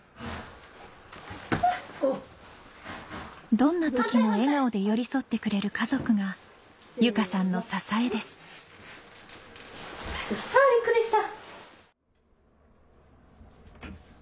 どんな時も笑顔で寄り添ってくれる家族が由佳さんの支えですあビックリした。